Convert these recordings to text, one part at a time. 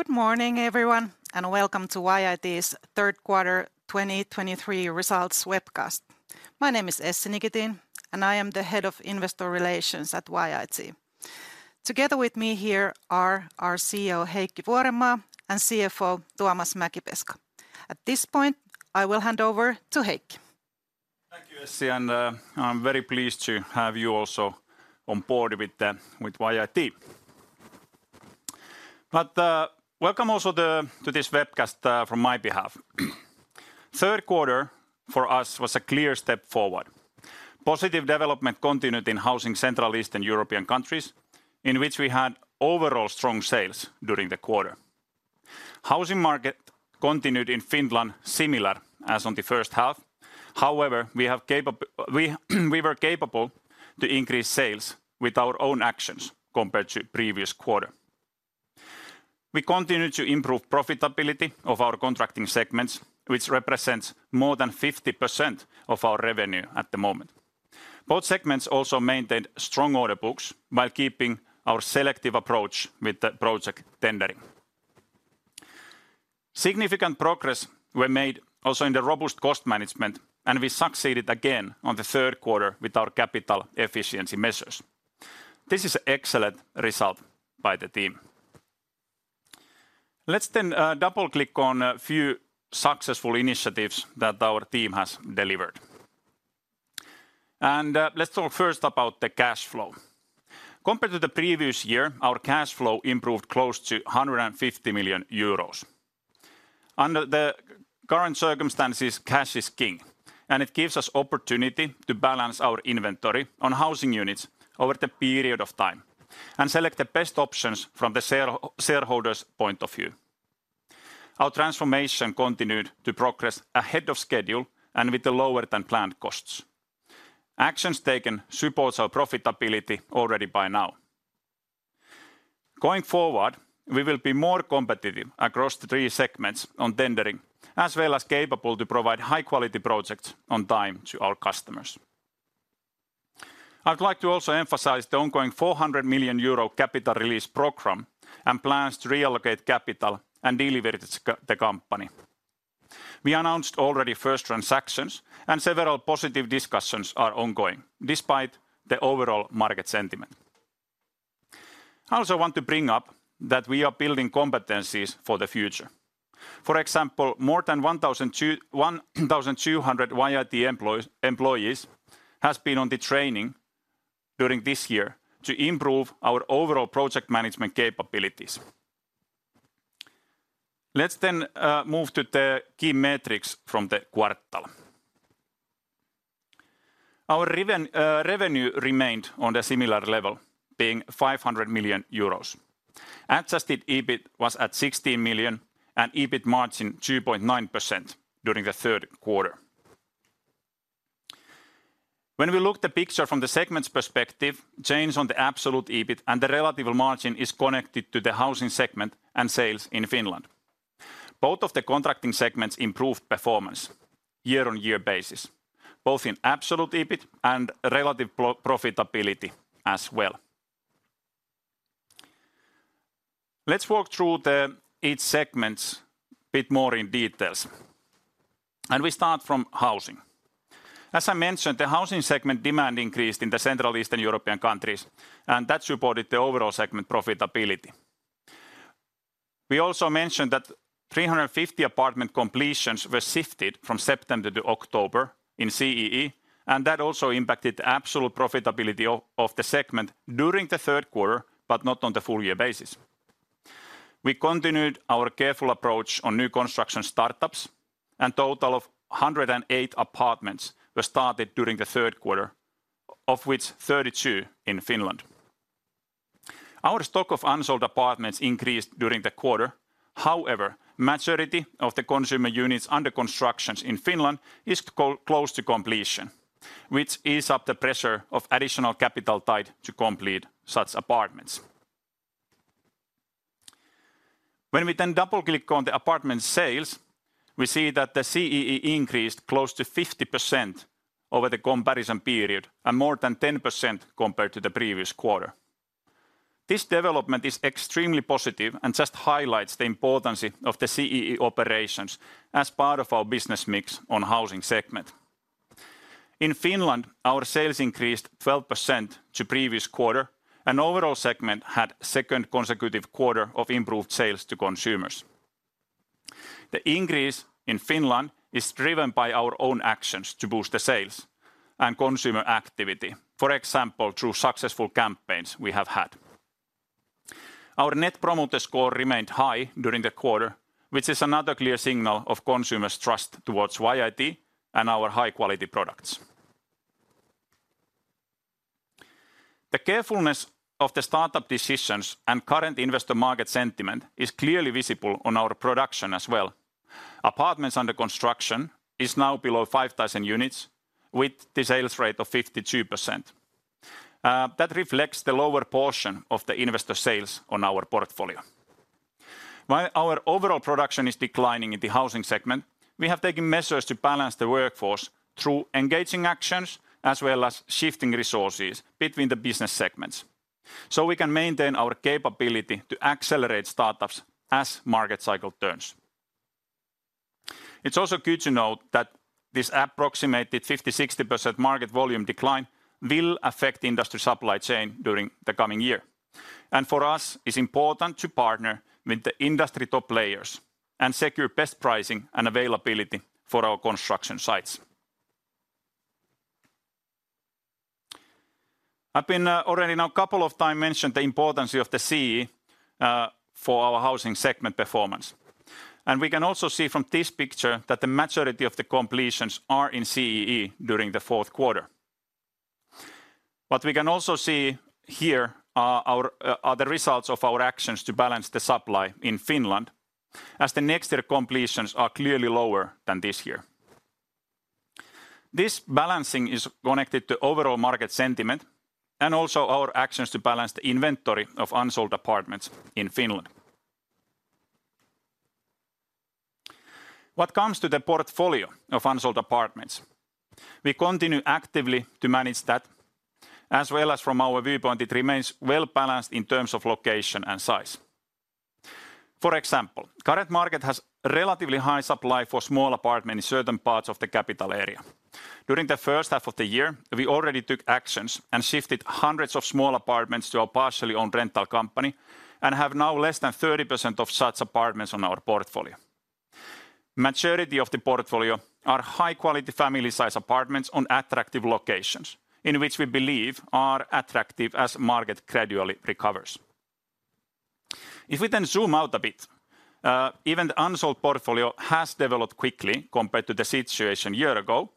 Good morning, everyone, and welcome to YIT's Third Quarter 2023 Results Webcast. My name is Essi Nikitin, and I am the Head of Investor Relations at YIT. Together with me here are our CEO, Heikki Vuorenmaa, and CFO, Tuomas Mäkipeska. At this point, I will hand over to Heikki. Thank you, Essi, and, I'm very pleased to have you also on board with YIT. But, welcome also to this webcast, from my behalf. Third quarter for us was a clear step forward. Positive development continued in housing Central Eastern European countries, in which we had overall strong sales during the quarter. Housing market continued in Finland, similar as on the first half, however, we were capable to increase sales with our own actions compared to previous quarter. We continued to improve profitability of our contracting segments, which represents more than 50% of our revenue at the moment. Both segments also maintained strong order books while keeping our selective approach with the project tendering. Significant progress were made also in the robust cost management, and we succeeded again on the third quarter with our capital efficiency measures. This is excellent result by the team. Let's then, double-click on a few successful initiatives that our team has delivered. Let's talk first about the cash flow. Compared to the previous year, our cash flow improved close to 150 million euros. Under the current circumstances, cash is king, and it gives us opportunity to balance our inventory on housing units over the period of time, and select the best options from the shareholders' point of view. Our transformation continued to progress ahead of schedule and with the lower-than-planned costs. Actions taken supports our profitability already by now. Going forward, we will be more competitive across the three segments on tendering, as well as capable to provide high-quality projects on time to our customers. I would like to also emphasize the ongoing 400 million euro capital release program, and plans to reallocate capital and de-leverage the company. We announced already first transactions, and several positive discussions are ongoing, despite the overall market sentiment. I also want to bring up that we are building competencies for the future. For example, more than 1,200 YIT employees have been on the training during this year to improve our overall project management capabilities. Let's then move to the key metrics from the quarter. Our revenue remained on the similar level, being 500 million euros. Adjusted EBIT was at 16 million, and EBIT margin 2.9% during the third quarter. When we look at the picture from the segment's perspective, the change in the absolute EBIT and the relative margin is connected to the housing segment and sales in Finland. Both of the contracting segments improved performance on a year-on-year basis, both in absolute EBIT and relative profitability as well. Let's walk through each segment a bit more in detail, and we start from housing. As I mentioned, the housing segment demand increased in the Central Eastern European countries, and that supported the overall segment profitability. We also mentioned that 350 apartment completions were shifted from September-October in CEE, and that also impacted the absolute profitability of the segment during the third quarter, but not on the full-year basis. We continued our careful approach on new construction startups, and a total of 108 apartments were started during the third quarter, of which 32 in Finland. Our stock of unsold apartments increased during the quarter. However, majority of the consumer units under construction in Finland is close to completion, which ease up the pressure of additional capital tied to complete such apartments. When we then double-click on the apartment sales, we see that the CEE increased close to 50% over the comparison period, and more than 10% compared to the previous quarter. This development is extremely positive and just highlights the importance of the CEE operations as part of our business mix on housing segment. In Finland, our sales increased 12% to previous quarter, and overall segment had second consecutive quarter of improved sales to consumers. The increase in Finland is driven by our own actions to boost the sales and consumer activity, for example, through successful campaigns we have had. Our Net Promoter Score remained high during the quarter, which is another clear signal of consumers' trust towards YIT and our high-quality products. The carefulness of the startup decisions and current investor market sentiment is clearly visible on our production as well. Apartments under construction is now below 5,000 units, with the sales rate of 52%. That reflects the lower portion of the investor sales on our portfolio. While our overall production is declining in the housing segment. We have taken measures to balance the workforce through engaging actions, as well as shifting resources between the business segments, so we can maintain our capability to accelerate startups as market cycle turns. It's also good to note that this approximated 50%-60% market volume decline will affect industry supply chain during the coming year. And for us, it's important to partner with the industry top players and secure best pricing and availability for our construction sites. I've been already now a couple of times mentioned the importance of the CEE for our housing segment performance. And we can also see from this picture that the majority of the completions are in CEE during the fourth quarter. But we can also see here the results of our actions to balance the supply in Finland, as the next year completions are clearly lower than this year. This balancing is connected to overall market sentiment, and also our actions to balance the inventory of unsold apartments in Finland. What comes to the portfolio of unsold apartments? We continue actively to manage that, as well as from our viewpoint, it remains well-balanced in terms of location and size. For example, the current market has relatively high supply for small apartments in certain parts of the capital area. During the first half of the year, we already took actions and shifted hundreds of small apartments to a partially owned rental company, and have now less than 30% of such apartments on our portfolio. The majority of the portfolio are high-quality, family-sized apartments on attractive locations, in which we believe are attractive as the market gradually recovers. If we then zoom out a bit, even the unsold portfolio has developed quickly compared to the situation a year ago.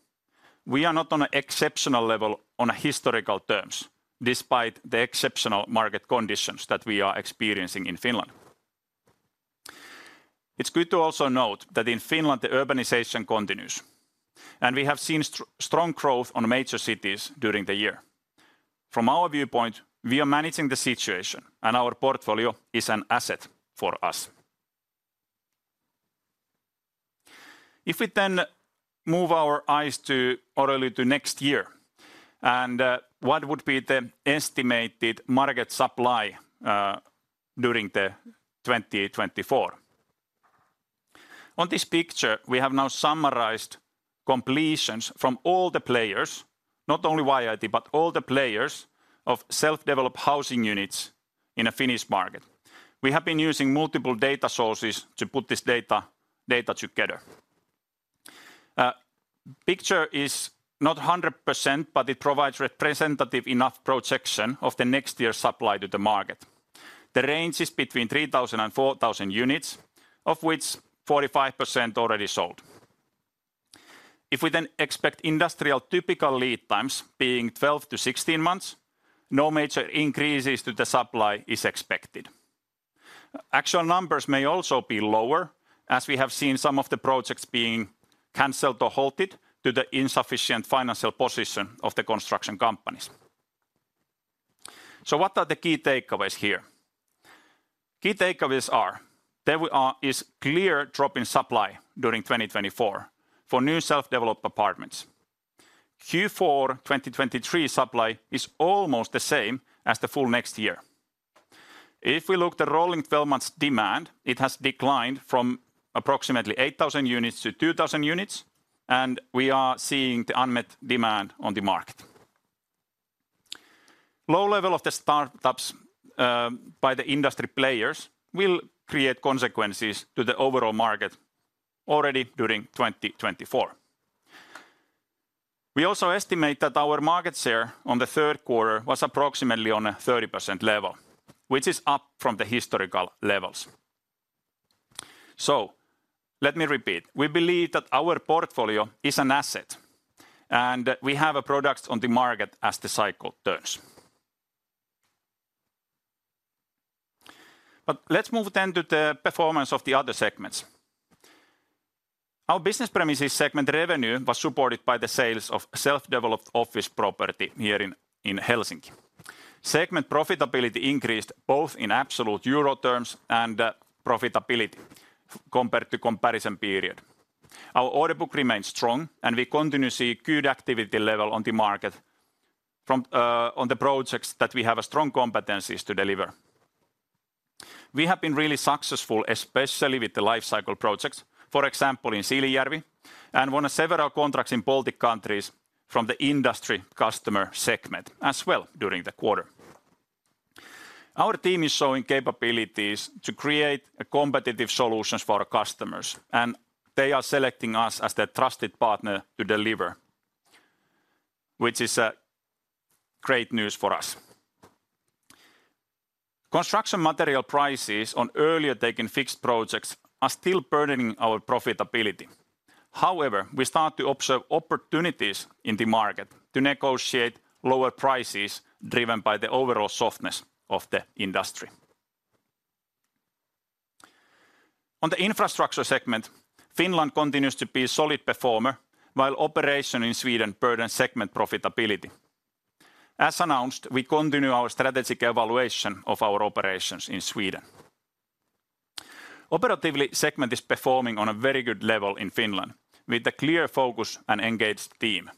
We are not at an exceptional level in historical terms, despite the exceptional market conditions that we are experiencing in Finland. It's good to also note that in Finland, the urbanization continues, and we have seen strong growth on major cities during the year. From our viewpoint, we are managing the situation, and our portfolio is an asset for us. If we then move our eyes to early to next year, and what would be the estimated market supply during 2024? On this picture, we have now summarized completions from all the players, not only YIT, but all the players of self-developed housing units in a Finnish market. We have been using multiple data sources to put this data together. Picture is not 100%, but it provides representative enough projection of the next year's supply to the market. The range is between 3,000 and 4,000 units, of which 45% already sold. If we then expect industrial typical lead times being 12-16 months, no major increases to the supply is expected. Actual numbers may also be lower, as we have seen some of the projects being canceled or halted due to insufficient financial position of the construction companies. So what are the key takeaways here? Key takeaways are: there is a clear drop in supply during 2024 for new self-developed apartments. Q4 2023 supply is almost the same as the full next year. If we look at the rolling twelve months demand, it has declined from approximately 8,000 units-2,000 units, and we are seeing the unmet demand on the market. Low level of the startups by the industry players will create consequences to the overall market already during 2024. We also estimate that our market share in the third quarter was approximately at a 30% level, which is up from the historical levels. So let me repeat: We believe that our portfolio is an asset, and we have a product on the market as the cycle turns. But let's move then to the performance of the other segments. Our business premises segment revenue was supported by the sales of self-developed office property here in Helsinki. Segment profitability increased both in absolute euro terms and profitability compared to comparison period. Our order book remains strong, and we continue to see good activity level on the market from on the projects that we have a strong competencies to deliver. We have been really successful, especially with the life cycle projects, for example, in Siilinjärvi, and won several contracts in Baltic countries from the industry customer segment as well during the quarter. Our team is showing capabilities to create a competitive solutions for our customers, and they are selecting us as their trusted partner to deliver, which is a great news for us. Construction material prices on earlier taken fixed projects are still burdening our profitability. However, we start to observe opportunities in the market to negotiate lower prices, driven by the overall softness of the industry. On the infrastructure segment, Finland continues to be a solid performer, while operation in Sweden burden segment profitability. As announced, we continue our strategic evaluation of our operations in Sweden. Operatively, segment is performing on a very good level in Finland, with a clear focus and engaged team.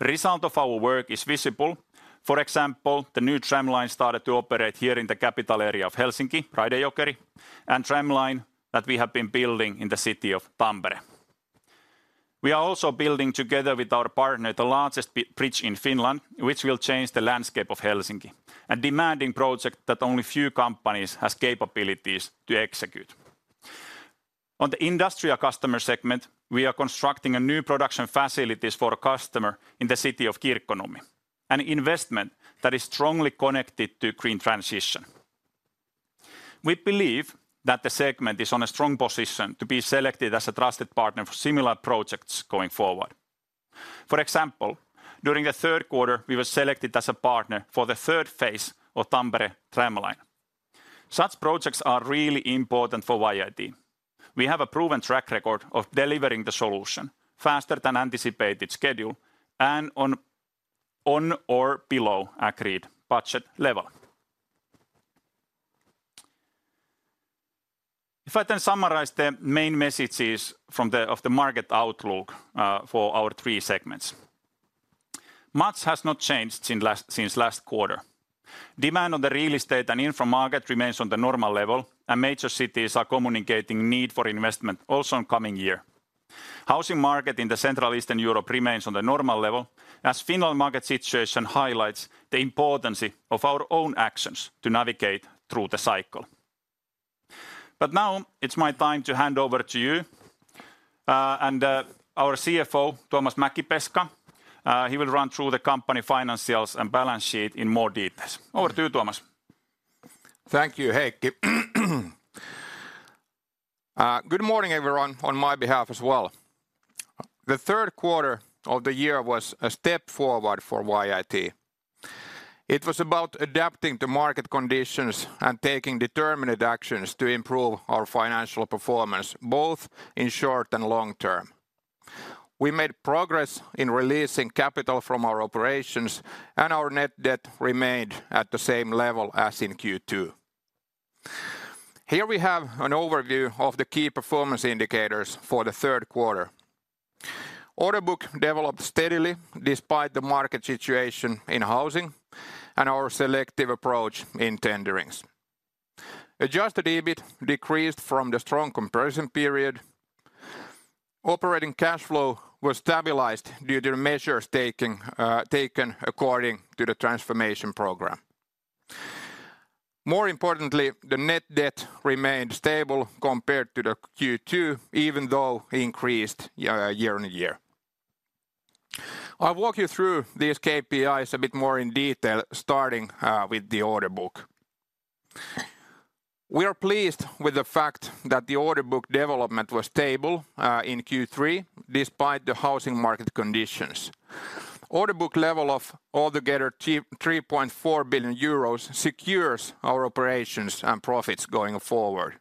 Result of our work is visible. For example, the new tram line started to operate here in the capital area of Helsinki, Raide-Jokeri, and tram line that we have been building in the city of Tampere. We are also building together with our partner, the largest bridge in Finland, which will change the landscape of Helsinki, a demanding project that only few companies has capabilities to execute. On the industrial customer segment, we are constructing a new production facilities for a customer in the city of Kirkkonummi, an investment that is strongly connected to green transition. We believe that the segment is on a strong position to be selected as a trusted partner for similar projects going forward. For example, during the third quarter, we were selected as a partner for the third phase of Tampere tram line. Such projects are really important for YIT. We have a proven track record of delivering the solution faster than anticipated schedule and on or below agreed budget level. If I then summarize the main messages from the market outlook for our three segments, much has not changed since last quarter. Demand on the real estate and infra market remains on the normal level, and major cities are communicating need for investment also in coming year. Housing market in the Central Eastern Europe remains on the normal level, as Finland market situation highlights the importance of our own actions to navigate through the cycle. But now it's my time to hand over to you, and our CFO, Tuomas Mäkipeska. He will run through the company financials and balance sheet in more details. Over to you, Tuomas. Thank you, Heikki. Good morning, everyone, on my behalf as well. The third quarter of the year was a step forward for YIT. It was about adapting to market conditions and taking determined actions to improve our financial performance, both in short and long term. We made progress in releasing capital from our operations, and our net debt remained at the same level as in Q2. Here we have an overview of the key performance indicators for the third quarter. Order book developed steadily despite the market situation in housing and our selective approach in tendering. Adjusted EBIT decreased from the strong comparison period. Operating cash flow was stabilized due to measures taken according to the transformation program. More importantly, the net debt remained stable compared to the Q2, even though increased year-on-year. I'll walk you through these KPIs a bit more in detail, starting with the order book. We are pleased with the fact that the order book development was stable in Q3, despite the housing market conditions. Order book level of altogether 3.4 billion euros secures our operations and profits going forward.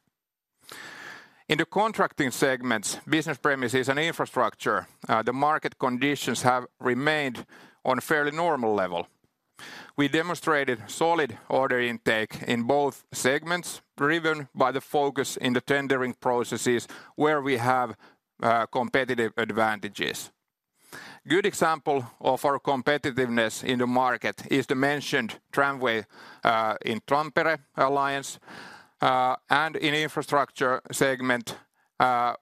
In the contracting segments, business premises and infrastructure, the market conditions have remained on a fairly normal level. We demonstrated solid order intake in both segments, driven by the focus in the tendering processes where we have competitive advantages. Good example of our competitiveness in the market is the mentioned tramway in Tampere alliance. And in infrastructure segment,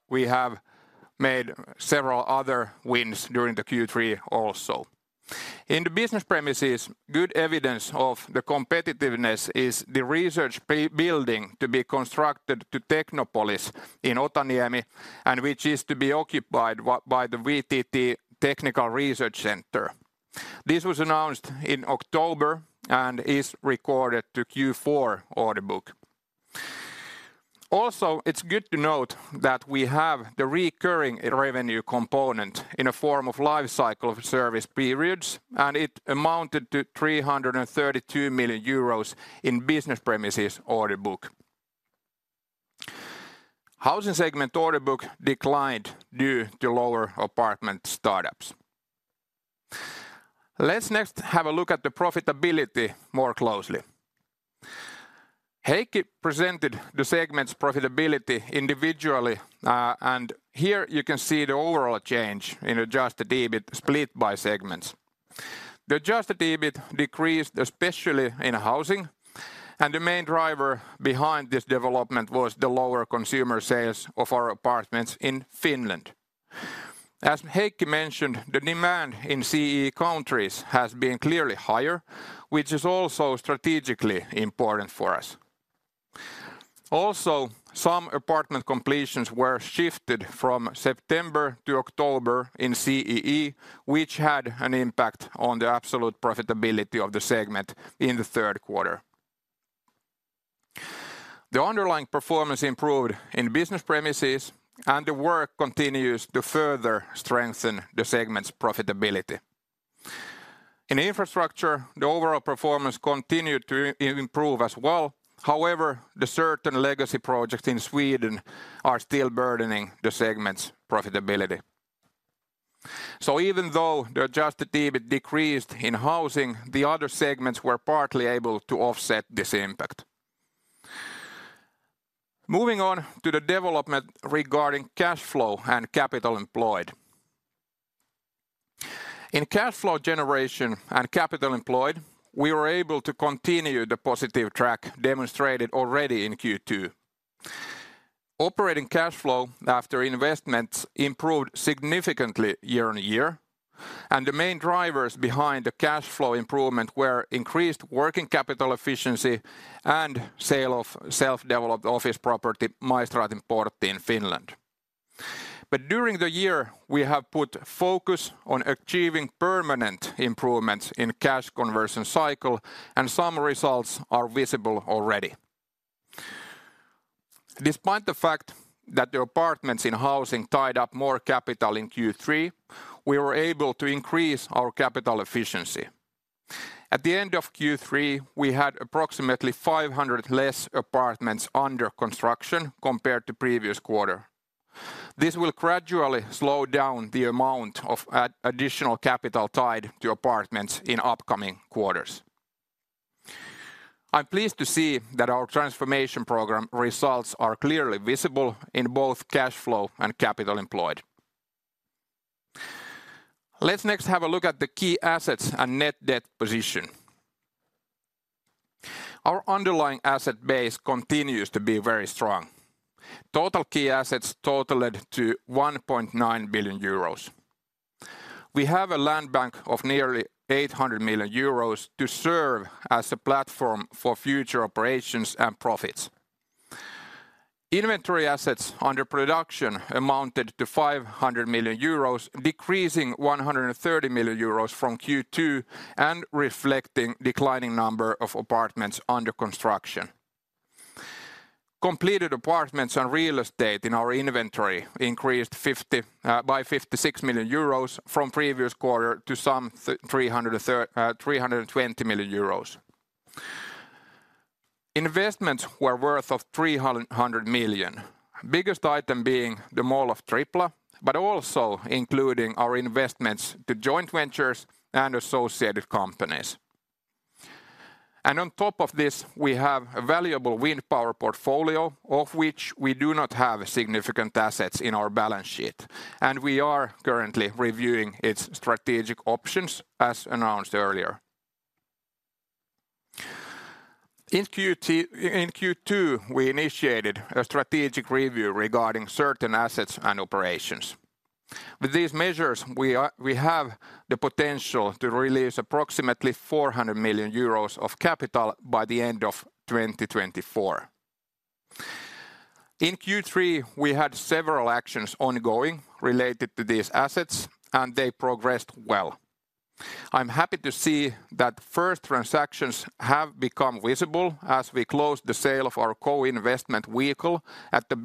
we have made several other wins during the Q3 also. In the business premises, good evidence of the competitiveness is the research building to be constructed to Technopolis in Otaniemi, and which is to be occupied by, by the VTT Technical Research Centre. This was announced in October and is recorded to Q4 order book. Also, it's good to note that we have the recurring revenue component in a form of life cycle service periods, and it amounted to 332 million euros in business premises order book. Housing segment order book declined due to lower apartment startups. Let's next have a look at the profitability more closely. Heikki presented the segment's profitability individually, and here you can see the overall change in Adjusted EBIT split by segments. The Adjusted EBIT decreased, especially in housing, and the main driver behind this development was the lower consumer sales of our apartments in Finland. As Heikki mentioned, the demand in CEE countries has been clearly higher, which is also strategically important for us. Also, some apartment completions were shifted from September-October in CEE, which had an impact on the absolute profitability of the segment in the third quarter. The underlying performance improved in business premises, and the work continues to further strengthen the segment's profitability. In infrastructure, the overall performance continued to improve as well. However, the certain legacy projects in Sweden are still burdening the segment's profitability... So even though the adjusted EBIT decreased in housing, the other segments were partly able to offset this impact. Moving on to the development regarding cash flow and capital employed. In cash flow generation and capital employed, we were able to continue the positive track demonstrated already in Q2. Operating cash flow after investments improved significantly year-on-year, and the main drivers behind the cash flow improvement were increased working capital efficiency and sale of self-developed office property, Maistraatinportti, in Finland. But during the year, we have put focus on achieving permanent improvements in cash conversion cycle, and some results are visible already. Despite the fact that the apartments in housing tied up more capital in Q3, we were able to increase our capital efficiency. At the end of Q3, we had approximately 500 less apartments under construction compared to previous quarter. This will gradually slow down the amount of additional capital tied to apartments in upcoming quarters. I'm pleased to see that our transformation program results are clearly visible in both cash flow and capital employed. Let's next have a look at the key assets and net debt position. Our underlying asset base continues to be very strong. Total key assets totaled 1.9 billion euros. We have a land bank of nearly 800 million euros to serve as a platform for future operations and profits. Inventory assets under production amounted to 500 million euros, decreasing 130 million euros from Q2, and reflecting declining number of apartments under construction. Completed apartments and real estate in our inventory increased by 56 million euros from previous quarter to some 320 million euros. Investments were worth 300 million. Biggest item being the Mall of Tripla, but also including our investments to joint ventures and associated companies. On top of this, we have a valuable wind power portfolio, of which we do not have significant assets in our balance sheet, and we are currently reviewing its strategic options, as announced earlier. In Q2, we initiated a strategic review regarding certain assets and operations. With these measures, we are... we have the potential to release approximately 400 million euros of capital by the end of 2024. In Q3, we had several actions ongoing related to these assets, and they progressed well. I'm happy to see that first transactions have become visible as we closed the sale of our co-investment vehicle at the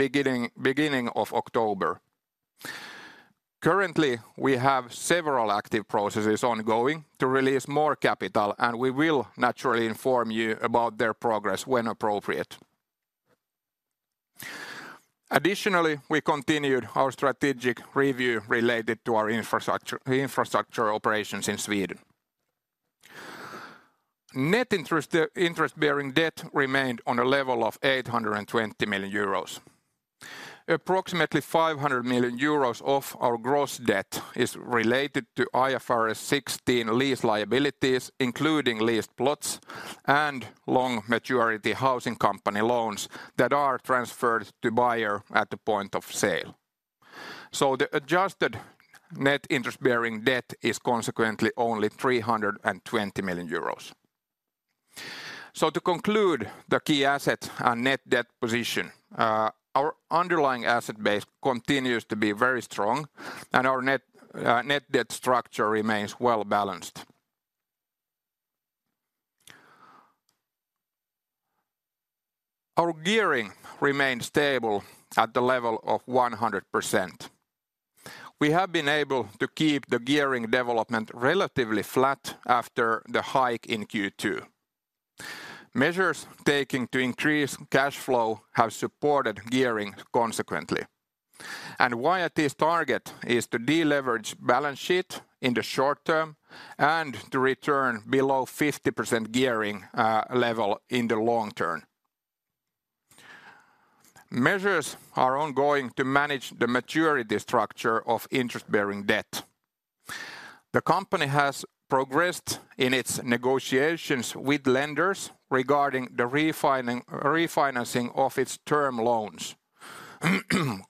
beginning of October. Currently, we have several active processes ongoing to release more capital, and we will naturally inform you about their progress when appropriate. Additionally, we continued our strategic review related to our infrastructure operations in Sweden. Net interest-bearing debt remained on a level of 820 million euros. Approximately 500 million euros of our gross debt is related to IFRS 16 lease liabilities, including leased plots and long maturity housing company loans that are transferred to buyer at the point of sale. So the adjusted net interest-bearing debt is consequently only 320 million euros. So to conclude, the key asset and net debt position, our underlying asset base continues to be very strong, and our net, net debt structure remains well-balanced. Our gearing remains stable at the level of 100%. We have been able to keep the gearing development relatively flat after the hike in Q2. Measures taken to increase cash flow have supported gearing consequently. YIT's target is to deleverage balance sheet in the short term and to return below 50% gearing level in the long term. Measures are ongoing to manage the maturity structure of interest-bearing debt. The company has progressed in its negotiations with lenders regarding the refinancing of its term loans.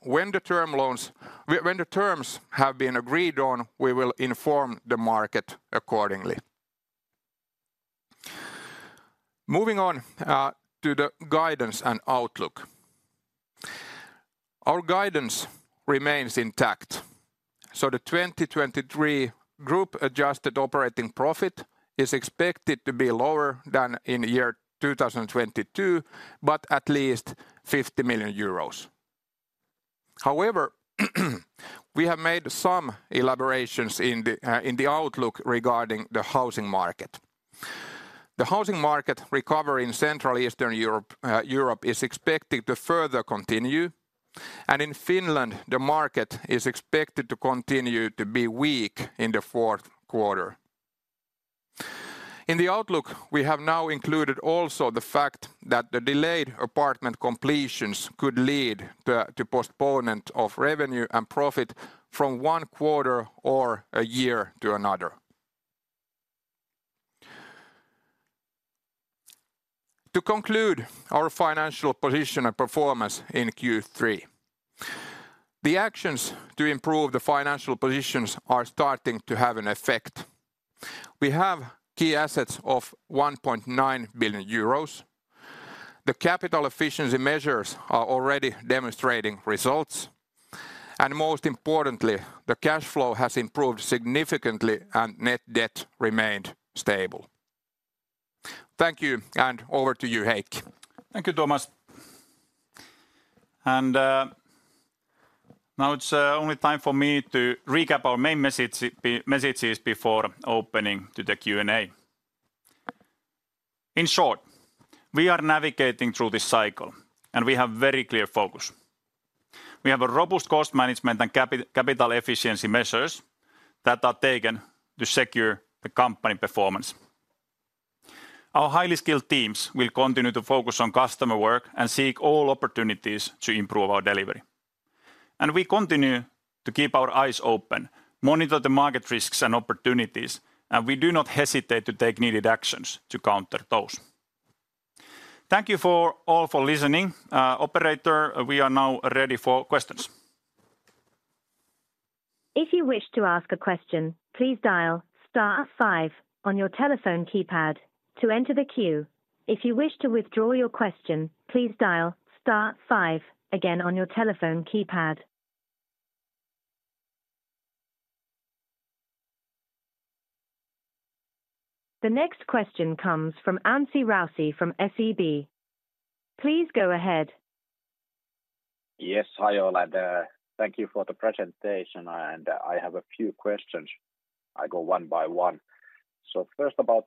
When the terms have been agreed on, we will inform the market accordingly. Moving on to the guidance and outlook. Our guidance remains intact, so the 2023 group-adjusted operating profit is expected to be lower than in year 2022, but at least 50 million euros. However, we have made some elaborations in the outlook regarding the housing market. The housing market recovery in Central Eastern Europe, Europe is expected to further continue, and in Finland, the market is expected to continue to be weak in the fourth quarter. In the outlook, we have now included also the fact that the delayed apartment completions could lead to postponement of revenue and profit from one quarter or a year to another. To conclude our financial position and performance in Q3, the actions to improve the financial positions are starting to have an effect. We have key assets of 1.9 billion euros. The capital efficiency measures are already demonstrating results, and most importantly, the cash flow has improved significantly, and net debt remained stable. Thank you, and over to you, Heikki. Thank you, Tuomas. Now it's only time for me to recap our main message, messages before opening to the Q&A. In short, we are navigating through this cycle, and we have very clear focus. We have a robust cost management and capital efficiency measures that are taken to secure the company performance. Our highly skilled teams will continue to focus on customer work and seek all opportunities to improve our delivery. We continue to keep our eyes open, monitor the market risks and opportunities, and we do not hesitate to take needed actions to counter those. Thank you all for listening. Operator, we are now ready for questions. If you wish to ask a question, please dial star five on your telephone keypad to enter the queue. If you wish to withdraw your question, please dial star five again on your telephone keypad. The next question comes from Anssi Raussi from SEB. Please go ahead. Yes, hi, all, and, thank you for the presentation, and I have a few questions. I go one by one. First about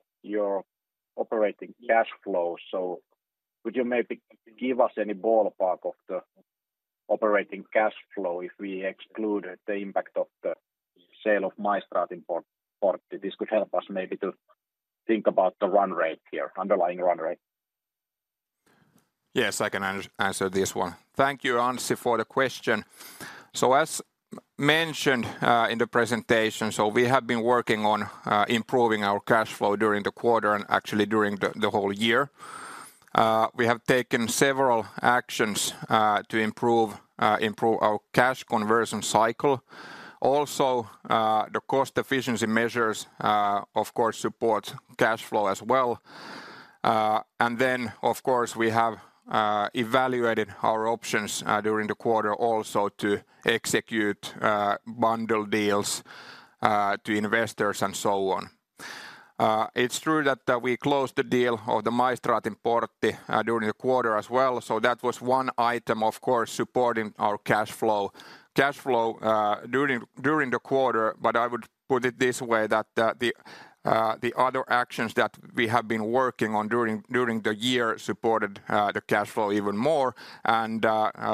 your operating cash flow. Would you maybe give us any ballpark of the operating cash flow if we exclude the impact of the sale of Maistraatinportti? This could help us maybe to think about the run rate here, underlying run rate. Yes, I can answer this one. Thank you, Anssi, for the question. So as mentioned in the presentation, so we have been working on improving our cash flow during the quarter and actually during the whole year. We have taken several actions to improve our cash conversion cycle. Also, the cost efficiency measures of course support cash flow as well. And then, of course, we have evaluated our options during the quarter also to execute bundle deals to investors and so on. It's true that we closed the deal of the Maistraatinportti during the quarter as well, so that was one item, of course, supporting our cash flow during the quarter. But I would put it this way, that the other actions that we have been working on during the year supported the cash flow even more, and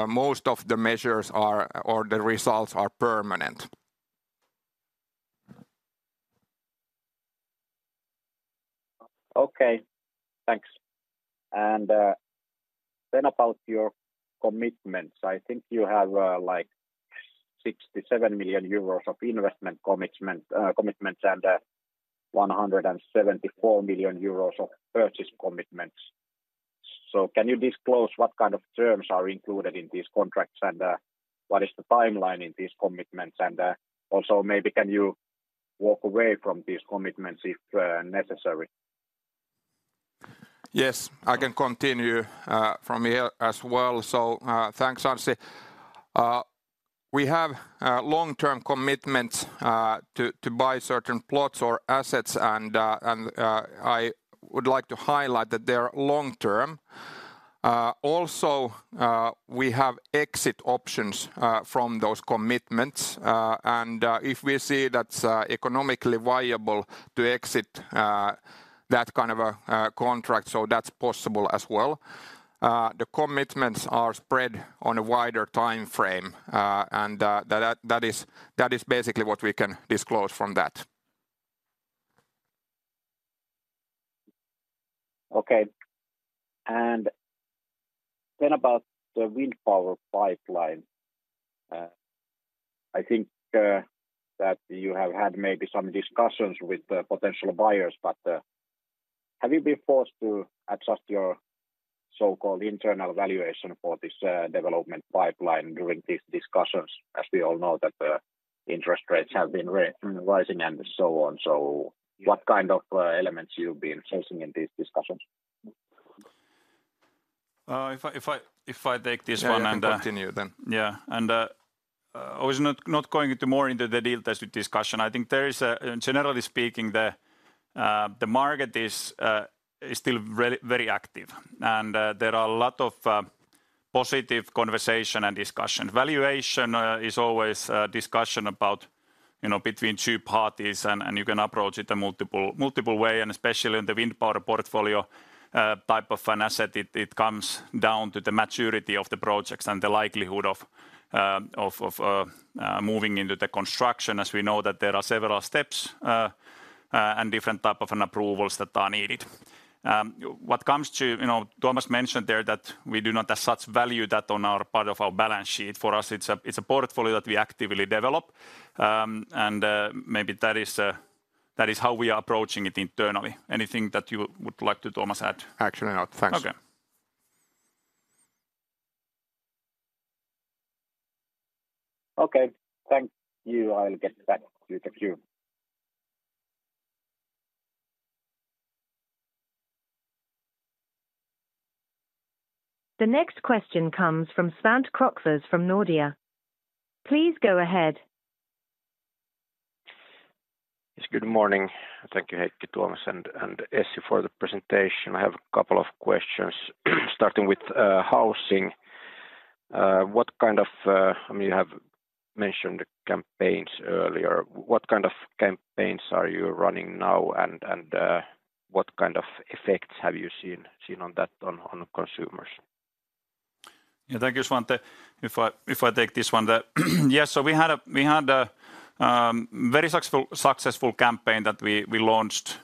most of the measures are... or the results are permanent. Okay, thanks. And, then about your commitments, I think you have, like 67 million euros of investment commitment, commitments and, 174 million euros of purchase commitments. So can you disclose what kind of terms are included in these contracts, and, what is the timeline in these commitments? And, also, maybe can you walk away from these commitments if, necessary? Yes, I can continue from here as well. So, thanks, Anssi. We have long-term commitments to buy certain plots or assets, and I would like to highlight that they're long-term. Also, we have exit options from those commitments. And if we see that's economically viable to exit that kind of a contract, so that's possible as well. The commitments are spread on a wider timeframe, and that is basically what we can disclose from that. Okay. And then about the wind power pipeline. I think that you have had maybe some discussions with the potential buyers, but have you been forced to adjust your so-called internal valuation for this development pipeline during these discussions? As we all know, that the interest rates have been rising and so on. So what kind of elements you've been facing in these discussions? If I take this one and- Yeah, you can continue then. Yeah, and I was not going into more into the details discussion. I think there is a generally speaking, the market is still very, very active, and there are a lot of positive conversation and discussion. Valuation is always a discussion about, you know, between two parties and you can approach it in multiple, multiple way, and especially in the wind power portfolio type of an asset, it comes down to the maturity of the projects and the likelihood of moving into the construction, as we know that there are several steps and different type of an approvals that are needed. What comes to, you know, Tuomas mentioned there that we do not as such value that on our part of our balance sheet. For us, it's a, it's a portfolio that we actively develop. Maybe that is, that is how we are approaching it internally. Anything that you would like to, Tuomas, add? Actually not. Thanks. Okay. Okay. Thank you. I'll get back to the queue. The next question comes from Svante Krokfors from Nordea. Please go ahead. Yes, good morning. Thank you, Heikki, Tuomas, and Essi for the presentation. I have a couple of questions. Starting with housing. What kind of... I mean, you have mentioned the campaigns earlier. What kind of campaigns are you running now, and what kind of effects have you seen on that on the consumers? Yeah, thank you, Svante. If I take this one. Yes, so we had a very successful campaign that we launched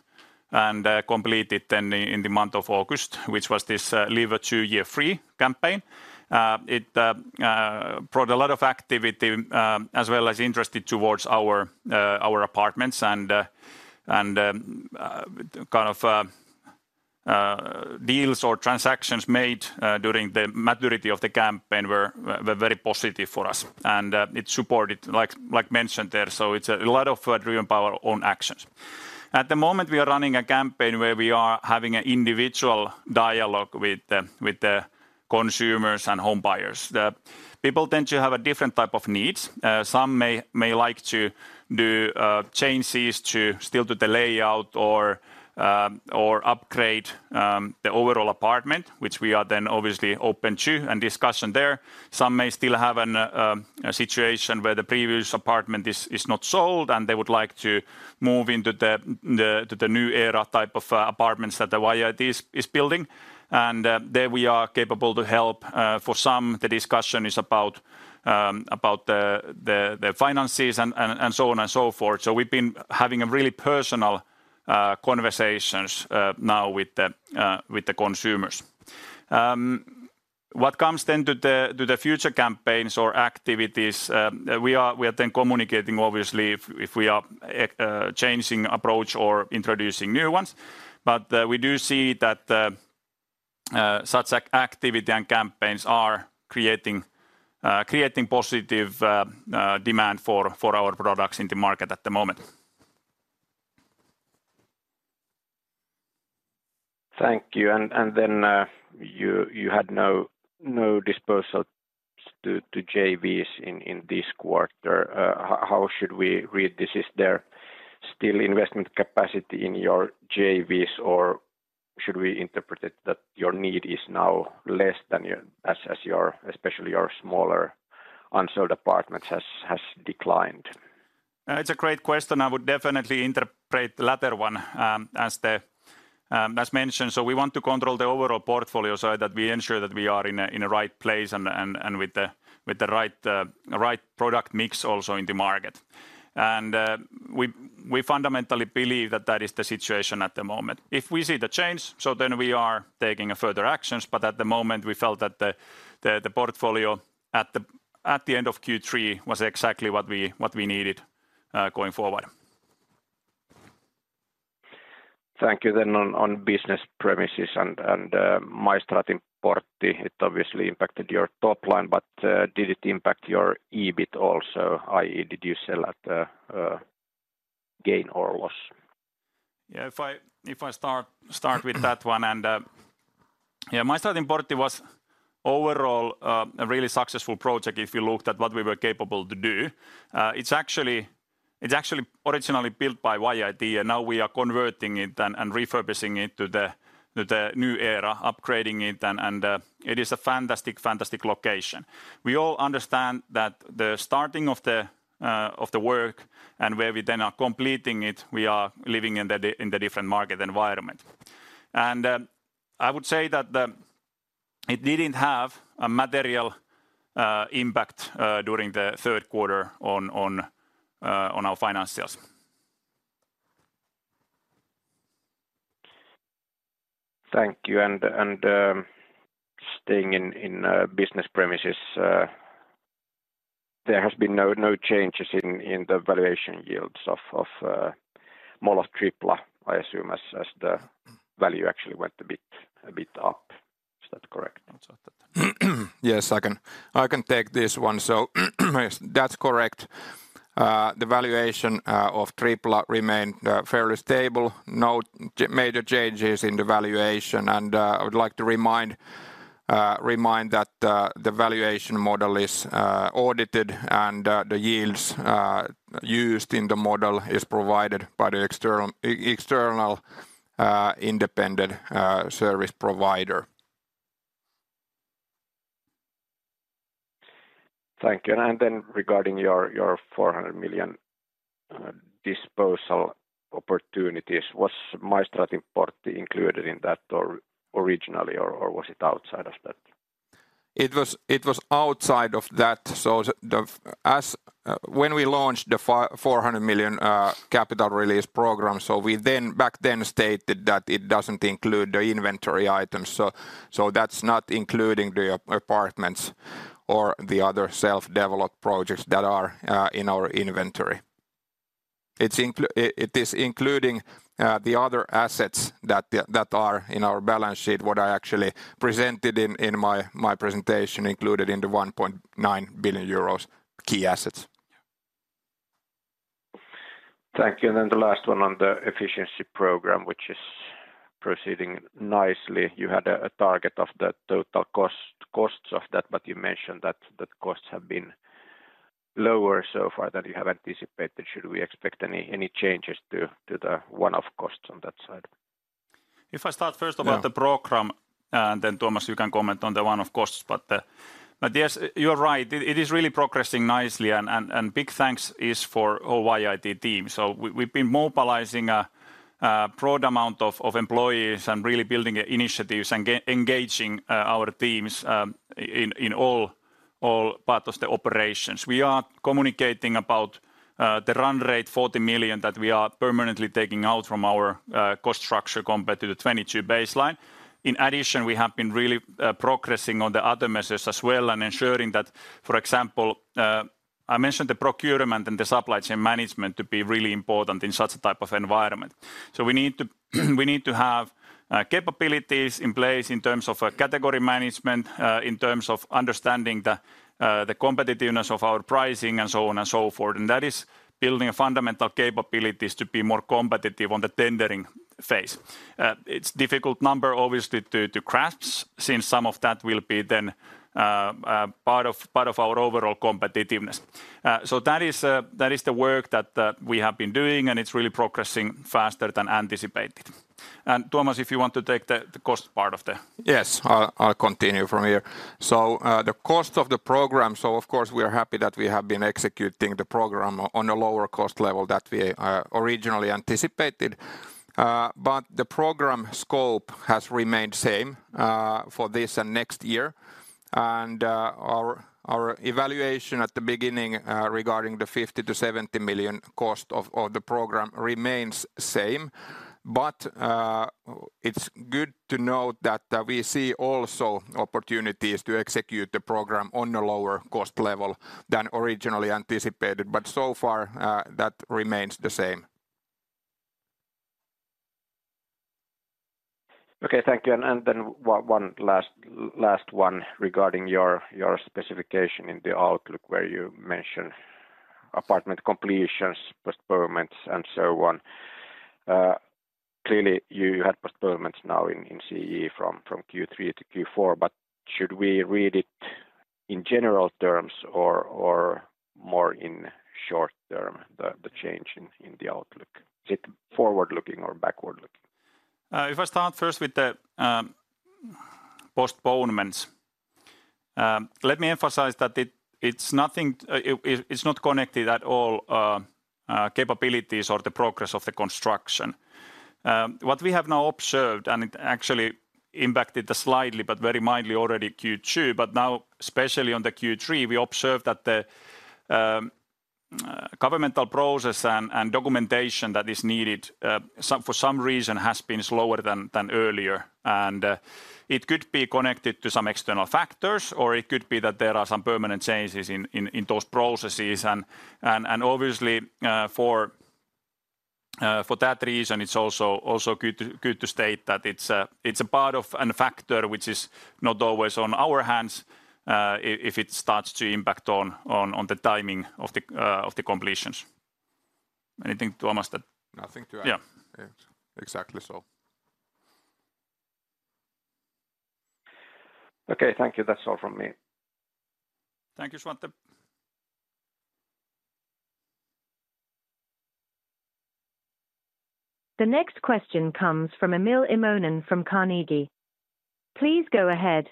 and completed then in the month of August, which was this Live a 2 Year Free campaign. It brought a lot of activity as well as interest towards our apartments, and kind of deals or transactions made during the maturity of the campaign were very positive for us. And it supported, like mentioned there, so it's a lot of driven by our own actions. At the moment, we are running a campaign where we are having an individual dialogue with the consumers and home buyers. The people tend to have a different type of needs. Some may like to do changes to still do the layout or upgrade the overall apartment, which we are then obviously open to, and discussion there. Some may still have a situation where the previous apartment is not sold, and they would like to move into the new era type of apartments that YIT is building, and there we are capable to help. For some, the discussion is about the finances and so on and so forth. So we've been having really personal conversations now with the consumers. What comes then to the future campaigns or activities, we are then communicating, obviously, if we are changing approach or introducing new ones. But, we do see that such activity and campaigns are creating positive demand for our products in the market at the moment. Thank you. And then, you had no disposal to JVs in this quarter. How should we read this? Is there still investment capacity in your JVs, or should we interpret it that your need is now less than your... as your, especially your smaller unsold apartments has declined? It's a great question. I would definitely interpret the latter one as mentioned. So we want to control the overall portfolio so that we ensure that we are in a right place and with the right product mix also in the market. We fundamentally believe that that is the situation at the moment. If we see the change, so then we are taking a further actions, but at the moment, we felt that the portfolio at the end of Q3 was exactly what we needed going forward. Thank you. Then on business premises and Maistraatinportti, it obviously impacted your top line, but did it impact your EBIT also? i.e., did you sell at a gain or loss? Yeah, if I start with that one, and yeah, Maistraatinportti was overall a really successful project, if you looked at what we were capable to do. It's actually originally built by YIT, and now we are converting it and refurbishing it to the new era, upgrading it, and it is a fantastic location. We all understand that the starting of the work and where we then are completing it, we are living in the different market environment. And I would say that the... It didn't have a material impact during the third quarter on our financials. Thank you. And staying in business premises, there has been no changes in the valuation yields of Mall of Tripla, I assume, as the- Mm... value actually went a bit up. Is that correct? Yes, I can, I can take this one. So yes, that's correct. The valuation of Tripla remained fairly stable. No major changes in the valuation, and I would like to remind that the valuation model is audited, and the yields used in the model is provided by the external independent service provider. ... Thank you. And then regarding your, your 400 million disposal opportunities, was Maistraatinportti included in that or originally, or, or was it outside of that? It was, it was outside of that. So as, when we launched the 400 million capital release program, so we then back then stated that it doesn't include the inventory items. So, so that's not including the apartments or the other self-developed projects that are in our inventory. It is including the other assets that that are in our balance sheet, what I actually presented in my presentation, included in the 1.9 billion euros key assets. Thank you. And then the last one on the efficiency program, which is proceeding nicely. You had a target of the total cost, costs of that, but you mentioned that the costs have been lower so far than you had anticipated. Should we expect any changes to the one-off costs on that side? If I start first about- Yeah... the program, and then, Tuomas, you can comment on the one-off costs. But yes, you're right. It is really progressing nicely, and big thanks is for our YIT team. So we, we've been mobilizing a broad amount of employees and really building initiatives and engaging our teams in all parts of the operations. We are communicating about the run rate, 40 million, that we are permanently taking out from our cost structure compared to the 2022 baseline. In addition, we have been really progressing on the other measures as well and ensuring that, for example, I mentioned the procurement and the supply chain management to be really important in such type of environment. So we need to, we need to have, capabilities in place in terms of, category management, in terms of understanding the, the competitiveness of our pricing, and so on and so forth. And that is building fundamental capabilities to be more competitive on the tendering phase. It's difficult number, obviously, to forecast, since some of that will be then, part of our overall competitiveness. So that is the work that we have been doing, and it's really progressing faster than anticipated. And, Tuomas, if you want to take the, the cost part of the- Yes, I'll continue from here. So, the cost of the program, so of course we are happy that we have been executing the program on a lower cost level that we originally anticipated. But the program scope has remained same for this and next year. And our evaluation at the beginning regarding the 50 million-EURO 70 million cost of the program remains same. But it's good to note that we see also opportunities to execute the program on a lower cost level than originally anticipated. But so far that remains the same. Okay, thank you. And then one last one regarding your specification in the outlook, where you mentioned apartment completions, postponements, and so on. Clearly, you had postponements now in CEE from Q3-Q4, but should we read it in general terms or more in short term, the change in the outlook? Is it forward-looking or backward-looking? If I start first with the postponements, let me emphasize that it, it's nothing. It, it's not connected at all to capabilities or the progress of the construction. What we have now observed, and it actually impacted slightly but very mildly already Q2, but now especially on the Q3, we observed that the governmental process and documentation that is needed for some reason has been slower than earlier. And it could be connected to some external factors, or it could be that there are some permanent changes in those processes. Obviously, for that reason, it's also good to state that it's a part of and a factor which is not always on our hands, if it starts to impact on the timing of the completions. Anything, Tuomas, that- Nothing to add. Yeah. Exactly so. Okay, thank you. That's all from me. Thank you, Svante. The next question comes from Emil Immonen from Carnegie. Please go ahead.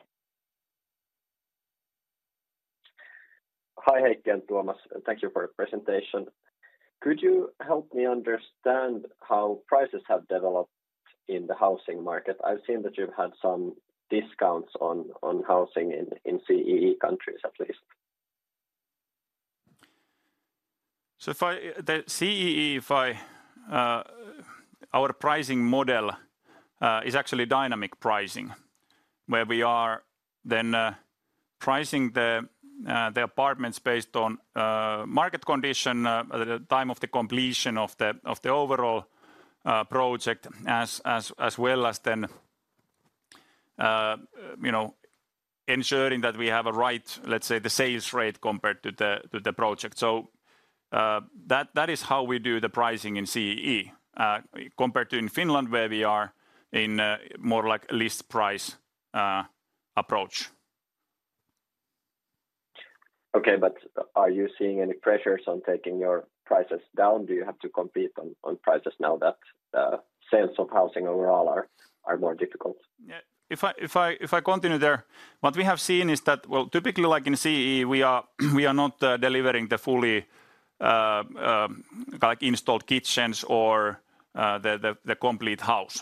Hi, Heikki and Tuomas. Thank you for the presentation. Could you help me understand how prices have developed in the housing market? I've seen that you've had some discounts on housing in CEE countries, at least. So, the CEE, if I our pricing model is actually dynamic pricing, where we are then pricing the apartments based on market condition at the time of the completion of the overall project, as well as then you know ensuring that we have a right, let's say, the sales rate compared to the project. So, that is how we do the pricing in CEE compared to in Finland, where we are in a more like list price approach. Okay, are you seeing any pressures on taking your prices down? Do you have to compete on prices now that sales of housing overall are more difficult? Yeah, if I continue there, what we have seen is that, well, typically, like in CE, we are not delivering the fully like installed kitchens or the complete house.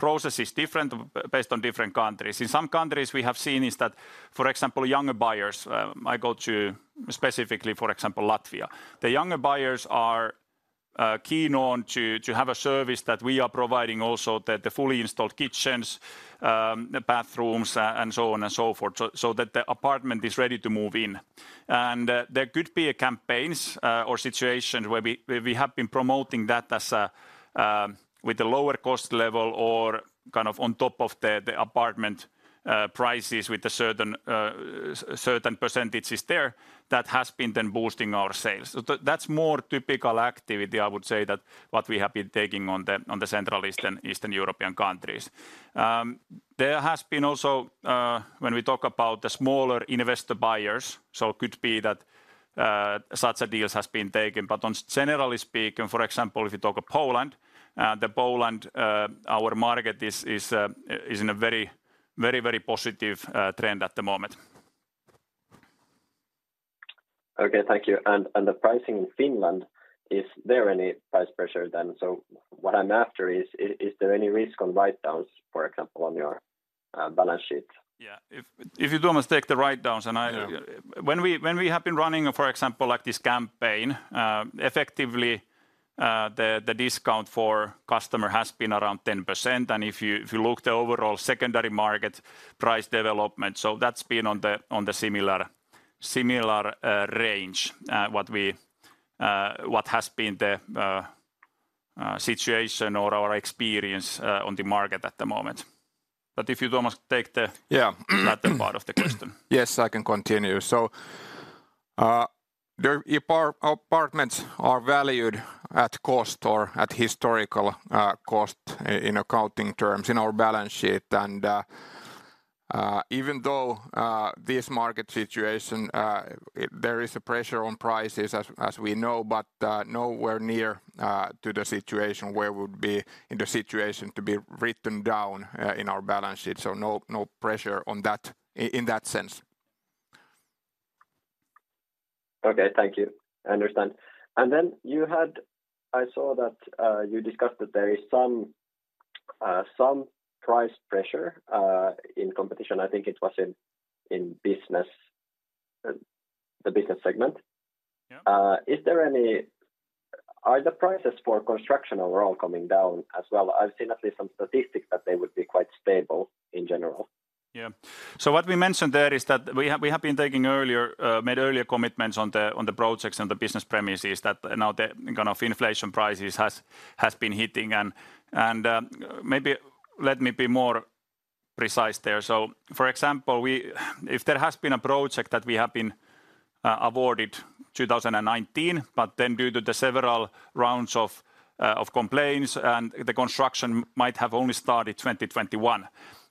The process is different based on different countries. In some countries, we have seen is that, for example, younger buyers, I go to specifically, for example, Latvia. The younger buyers are keen on to have a service that we are providing also, the fully installed kitchens, the bathrooms, and so on and so forth, so that the apartment is ready to move in. There could be campaigns or situations where we have been promoting that as with a lower cost level or kind of on top of the apartment prices with certain percentages there that has been then boosting our sales. So that's more typical activity, I would say, than what we have been taking in the Central Eastern European countries. There has also been, when we talk about the smaller investor buyers, so could be that such deals has been taken. But generally speaking, for example, if you talk of Poland, in Poland our market is in a very, very, very positive trend at the moment. Okay, thank you. And the pricing in Finland, is there any price pressure then? So what I'm after is there any risk on write-downs, for example, on your balance sheet? Yeah. If you Tuomas take the write-downs, and I- Yeah. When we have been running, for example, like this campaign, effectively, the discount for customer has been around 10%. And if you look the overall secondary market price development, so that's been on the similar range, what has been the situation or our experience on the market at the moment. But if you, Tuomas, take the- Yeah. latter part of the question. Yes, I can continue. So, the apartments are valued at cost or at historical cost in accounting terms in our balance sheet. And even though this market situation, there is a pressure on prices, as we know, but nowhere near to the situation where we would be in the situation to be written down in our balance sheet. So no, no pressure on that in that sense. Okay. Thank you. I understand. And then you had... I saw that you discussed that there is some price pressure in competition. I think it was in business, the business segment. Yeah. Are the prices for construction overall coming down as well? I've seen at least some statistics that they would be quite stable in general. Yeah. So what we mentioned there is that we have made earlier commitments on the projects and the business premises that now the kind of inflation prices has been hitting. And maybe let me be more precise there. So, for example, we. If there has been a project that we have been awarded 2019, but then due to the several rounds of complaints and the construction might have only started 2021.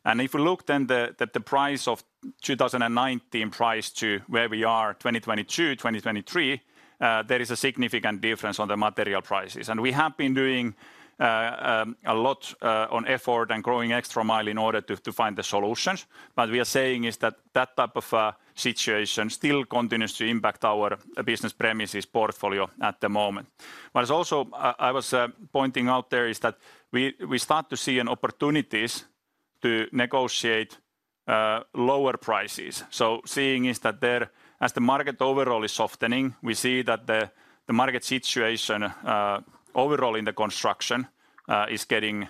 And if you look then that the price of 2019 price to where we are, 2022, 2023, there is a significant difference on the material prices. And we have been doing a lot on effort and going extra mile in order to find the solutions. What we are saying is that that type of situation still continues to impact our business premises portfolio at the moment. But it's also, I was pointing out there, is that we start to see an opportunity to negotiate lower prices. So seeing is that there, as the market overall is softening, we see that the market situation overall in the construction is getting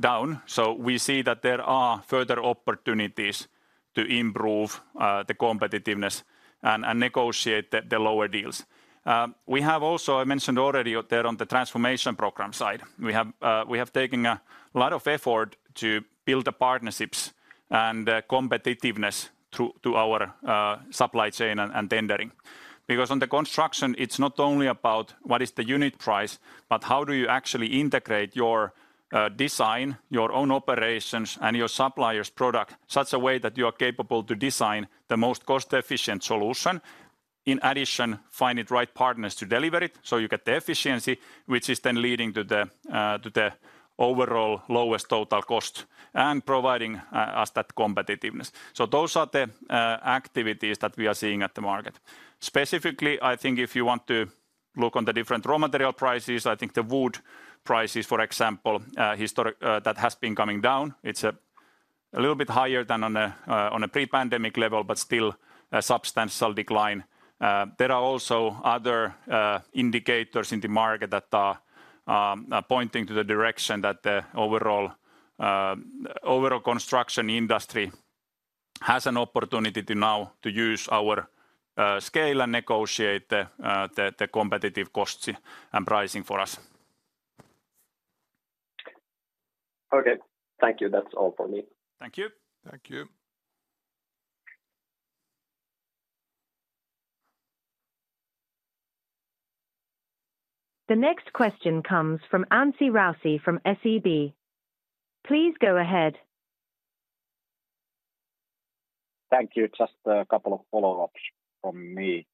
down. So we see that there are further opportunities to improve the competitiveness and negotiate the lower deals. We have also, I mentioned already out there on the transformation program side, we have taken a lot of effort to build the partnerships and the competitiveness through to our supply chain and tendering. Because on the construction, it's not only about what is the unit price, but how do you actually integrate your design, your own operations, and your suppliers' product such a way that you are capable to design the most cost-efficient solution. In addition, finding the right partners to deliver it, so you get the efficiency, which is then leading to the to the overall lowest total cost and providing us that competitiveness. So those are the activities that we are seeing at the market. Specifically, I think if you want to look on the different raw material prices, I think the wood prices, for example, historically that has been coming down. It's a little bit higher than on a on a pre-pandemic level, but still a substantial decline. There are also other indicators in the market that are pointing to the direction that the overall construction industry has an opportunity now to use our scale and negotiate the competitive costs and pricing for us. Okay. Thank you. That's all for me. Thank you. Thank you. ... The next question comes from Anssi Raussi from SEB. Please go ahead. Thank you. Just a couple of follow-ups from me.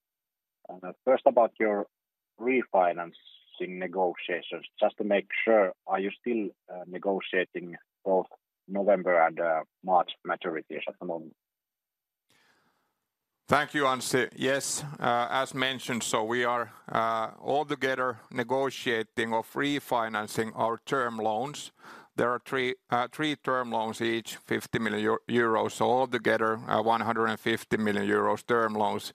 First, about your refinancing negotiations, just to make sure, are you still negotiating both November and March maturities at the moment? Thank you, Anssi. Yes, as mentioned, so we are all together negotiating or refinancing our term loans. There are three term loans, each 50 million euros, altogether 150 million euros term loans.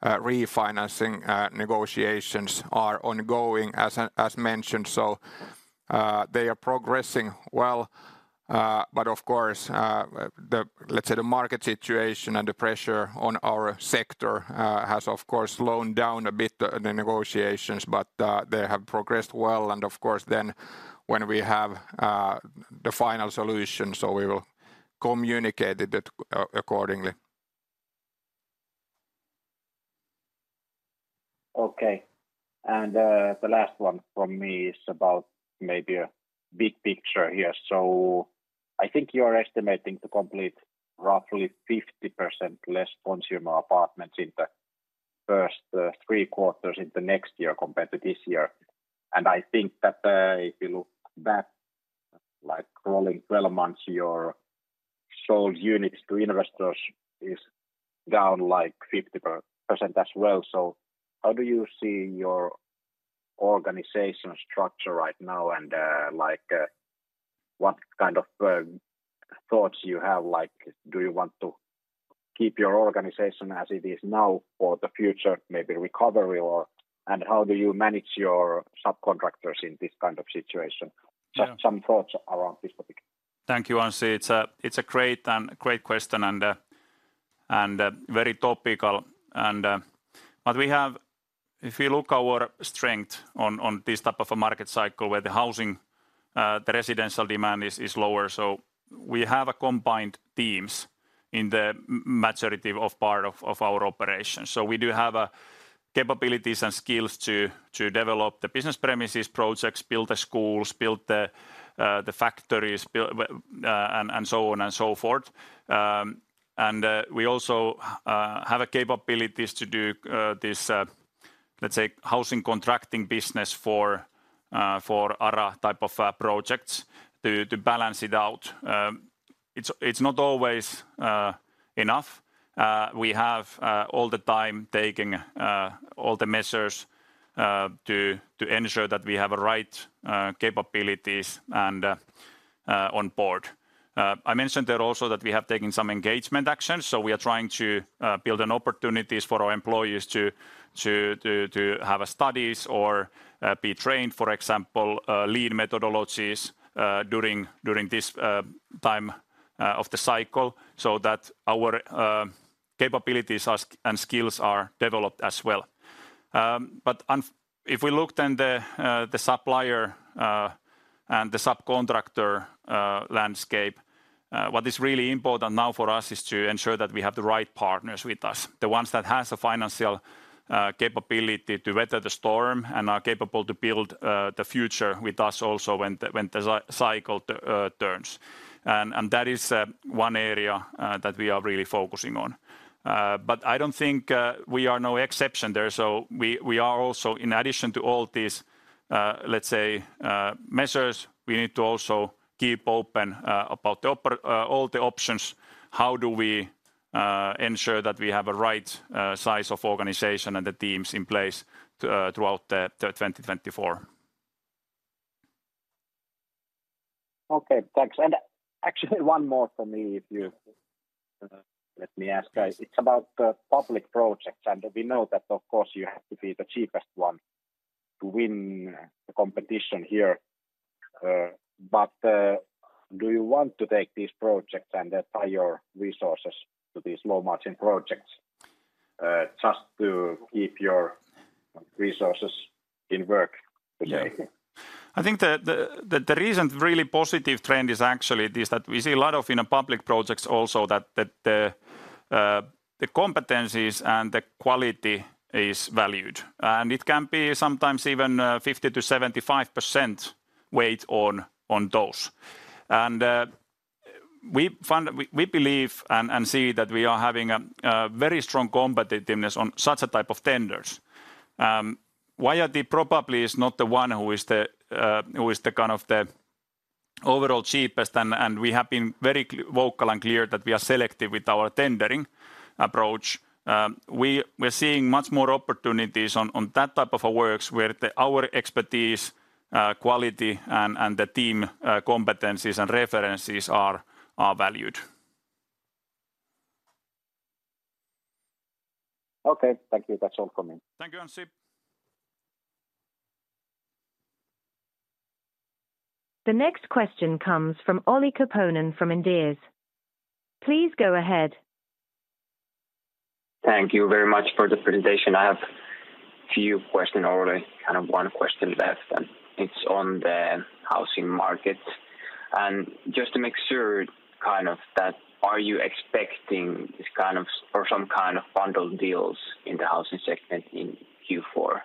Refinancing negotiations are ongoing, as I mentioned, so they are progressing well. But of course, let's say the market situation and the pressure on our sector has of course slowed down a bit the negotiations, but they have progressed well. And of course, then when we have the final solution, so we will communicate it accordingly. Okay. And, the last one from me is about maybe a big picture here. So I think you're estimating to complete roughly 50% less consumer apartments in the first three quarters into next year compared to this year. And I think that, if you look back, like rolling 12 months, your sold units to investors is down like 50% as well. So how do you see your organization structure right now? And, like, what kind of thoughts you have? Like, do you want to keep your organization as it is now for the future, maybe recovery or... And how do you manage your subcontractors in this kind of situation? Yeah. Just some thoughts around this topic. Thank you, Anssi. It's a great question and very topical. But we have— If we look our strength on this type of a market cycle, where the housing, the residential demand is lower, so we have a combined teams in the majority of part of our operations. So we do have a capabilities and skills to develop the business premises projects, build the schools, build the factories, build, and so on and so forth. And we also have a capabilities to do this, let's say, housing contracting business for ARA type of projects to balance it out. It's not always enough. We have all the time taking all the measures to ensure that we have a right capabilities and on board. I mentioned there also that we have taken some engagement actions, so we are trying to build an opportunities for our employees to have studies or be trained, for example, Lean methodologies, during this time of the cycle, so that our capabilities are, and skills are developed as well. But if we looked in the supplier and the subcontractor landscape, what is really important now for us is to ensure that we have the right partners with us. The ones that has the financial capability to weather the storm and are capable to build the future with us also, when the cycle turns. And that is one area that we are really focusing on. But I don't think we are no exception there, so we are also... In addition to all these, let's say, measures, we need to also keep open about all the options. How do we ensure that we have a right size of organization and the teams in place throughout the 2024? Okay, thanks. And actually, one more from me, if you let me ask, guys. It's about the public projects, and we know that of course you have to be the cheapest one to win the competition here. But do you want to take these projects and then tie your resources to these low-margin projects, just to keep your resources in work today? I think the recent really positive trend is actually this, that we see a lot of, you know, public projects also that the competencies and the quality is valued, and it can be sometimes even 50%-75% weight on those. And we find... We believe and see that we are having a very strong competitiveness on such a type of tenders. YIT probably is not the one who is the kind of the overall cheapest, and we have been very vocal and clear that we are selective with our tendering approach. We're seeing much more opportunities on that type of works, where our expertise, quality, and the team competencies and references are valued. Okay. Thank you. That's all coming. Thank you, Anssi. The next question comes from Olli Koponen, from Inderes. Please go ahead. Thank you very much for the presentation. I have a few questions already, kind of one question that it's on the housing market. Just to make sure, kind of, that are you expecting this kind of or some kind of bundled deals in the housing segment in Q4?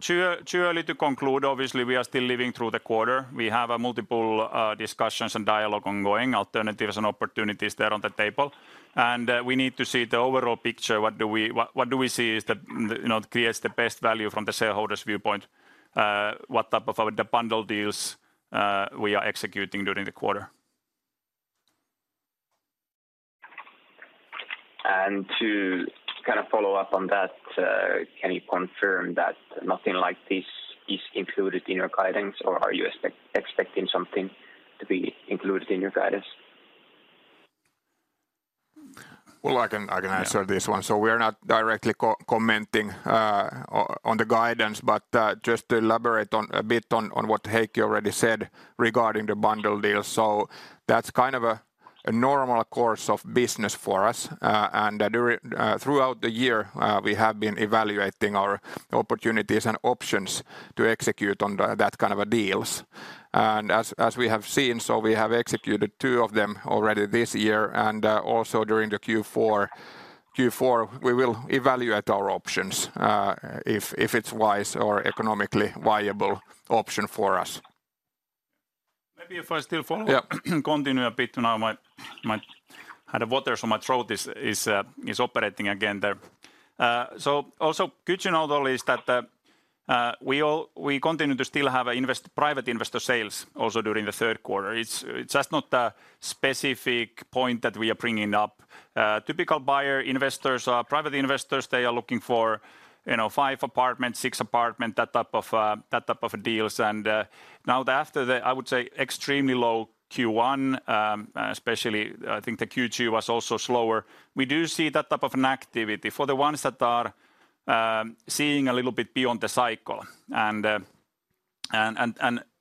Too early to conclude. Obviously, we are still living through the quarter. We have a multiple discussions and dialogue ongoing, alternatives and opportunities there on the table, and we need to see the overall picture. What do we see is that, you know, creates the best value from the shareholders' viewpoint? What type of the bundle deals we are executing during the quarter. To kind of follow up on that, can you confirm that nothing like this is included in your guidance, or are you expecting something to be included in your guidance? Well, I can, I can answer- Yeah... this one. So we are not directly co-commenting on the guidance, but just to elaborate a bit on what Heikki already said regarding the bundle deal. So that's kind of a normal course of business for us. And during throughout the year, we have been evaluating our opportunities and options to execute on that kind of a deals. And, as we have seen, so we have executed two of them already this year. And also during the Q4, we will evaluate our options if it's wise or economically viable option for us. Maybe if I still follow up- Yeah. Continue a bit. Now, I had a water, so my throat is operating again there. So also good to know though is that we continue to still have private investor sales also during the third quarter. It's just not a specific point that we are bringing up. Typical buyer investors or private investors, they are looking for, you know, five apartments, six apartment, that type of, that type of deals. And, now, after the, I would say, extremely low Q1, especially I think the Q2 was also slower, we do see that type of an activity. For the ones that are seeing a little bit beyond the cycle and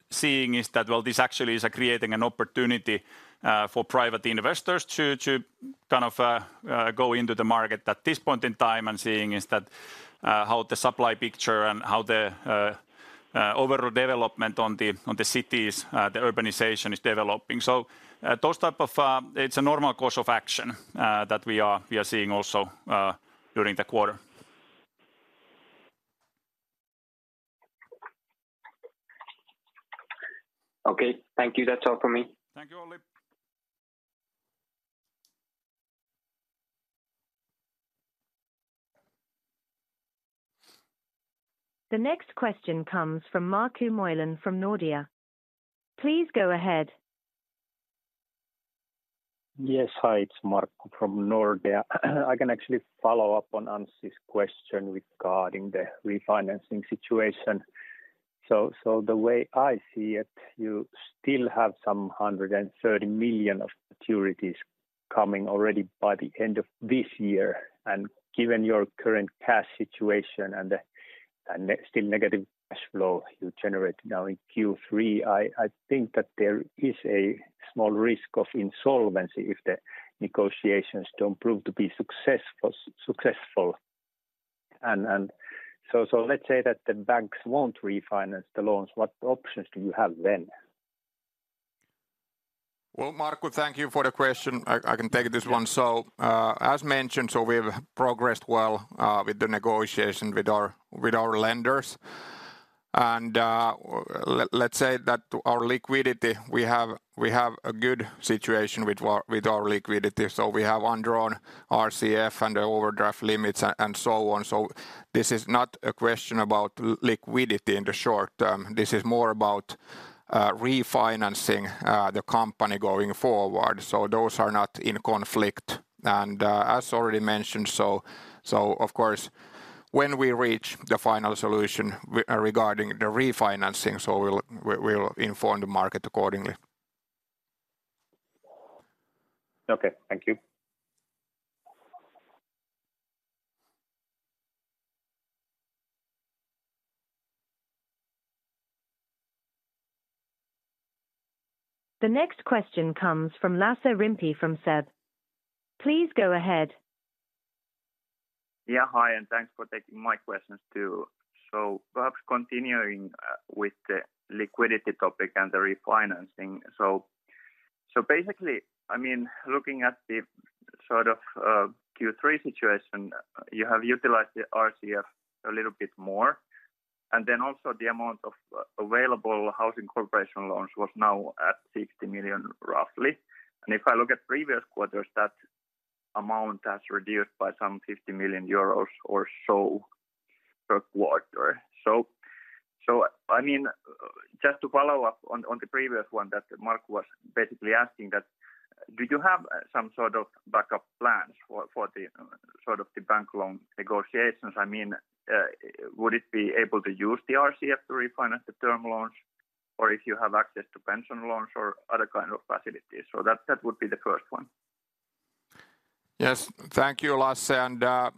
seeing is that, well, this actually is creating an opportunity for private investors to kind of go into the market at this point in time and seeing is that how the supply picture and how the overall development on the cities, the urbanization is developing. So, those type of... It's a normal course of action that we are seeing also during the quarter. Okay. Thank you. That's all for me. Thank you, Olli. The next question comes from Markku Moilanen from Nordea. Please go ahead. Yes. Hi, it's Markku from Nordea. I can actually follow up on Anssi's question regarding the refinancing situation. So the way I see it, you still have some 130 million of securities coming already by the end of this year. And given your current cash situation and the still negative cash flow you generate now in Q3, I think that there is a small risk of insolvency if the negotiations don't prove to be successful. And so let's say that the banks won't refinance the loans, what options do you have then? Well, Markku, thank you for the question. I can take this one. So, as mentioned, so we have progressed well with the negotiation with our lenders. And, let's say that our liquidity, we have a good situation with our liquidity, so we have undrawn RCF and the overdraft limits and so on. So this is not a question about liquidity in the short term. This is more about refinancing the company going forward. So those are not in conflict. And, as already mentioned, so, so of course, when we reach the final solution regarding the refinancing, so we'll inform the market accordingly. Okay. Thank you. The next question comes from Lasse Rimpi, from SEB. Please go ahead. Yeah, hi, and thanks for taking my questions, too. So perhaps continuing with the liquidity topic and the refinancing. So basically, I mean, looking at the sort of Q3 situation, you have utilized the RCF a little bit more, and then also the amount of available housing corporation loans was now at 60 million, roughly. And if I look at previous quarters, that amount has reduced by some 50 million euros or so per quarter. So I mean, just to follow up on the previous one, that Markku was basically asking that: Do you have some sort of backup plans for the sort of the bank loan negotiations? I mean, would it be able to use the RCF to refinance the term loans, or if you have access to pension loans or other kind of facilities? So, that, that would be the first one. Yes. Thank you, Lasse, and I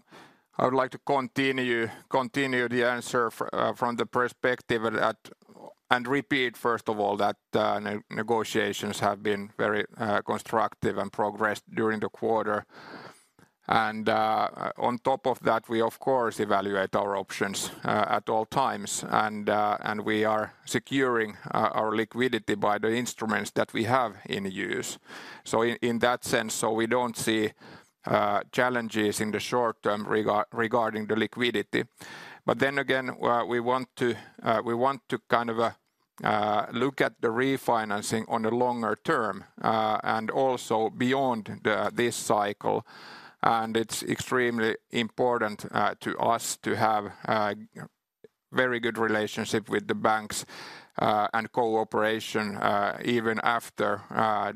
would like to continue the answer from the perspective that and repeat, first of all, that negotiations have been very constructive and progressed during the quarter. And on top of that, we, of course, evaluate our options at all times, and we are securing our liquidity by the instruments that we have in use. So in that sense, so we don't see challenges in the short term regarding the liquidity. But then again, we want to kind of look at the refinancing on the longer term, and also beyond this cycle. And it's extremely important to us to have very good relationship with the banks and cooperation even after